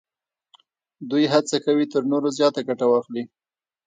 دوی هڅه کوي تر نورو زیاته ګټه واخلي